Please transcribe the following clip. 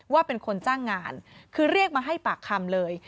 ว่าเป็นคนจ้างงานคือเรียกมาให้ปากคำเลย